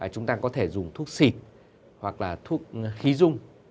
chúng ta có thể dùng thuốc xịt hoặc là thuốc khí dung